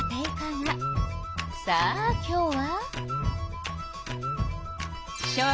さあ今日は。